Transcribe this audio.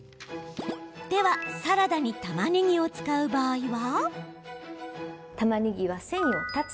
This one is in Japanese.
では、サラダにたまねぎを使う場合は。